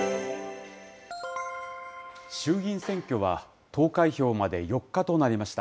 衆議院選挙は、投開票まで４日となりました。